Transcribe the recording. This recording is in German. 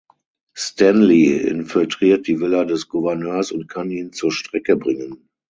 Stanley infiltriert die Villa des Gouverneurs und kann ihn zur Strecke bringen.